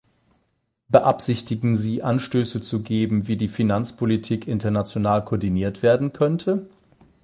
Beabsichtigen Sie, Anstöße zu geben, wie die Finanzpolitik international koordiniert werden könnte?